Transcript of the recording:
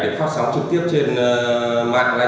để phát sóng trực tiếp trên mạng live stream